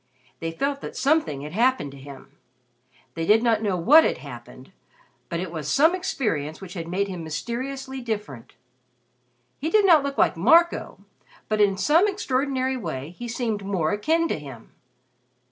They felt that something had happened to him. They did not know what had happened, but it was some experience which had made him mysteriously different. He did not look like Marco, but in some extraordinary way he seemed more akin to him.